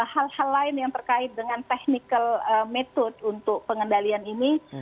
hal hal lain yang terkait dengan technical metode untuk pengendalian ini